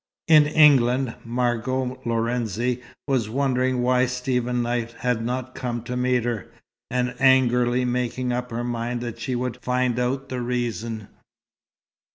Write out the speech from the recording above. In England, Margot Lorenzi was wondering why Stephen Knight had not come to meet her, and angrily making up her mind that she would find out the reason.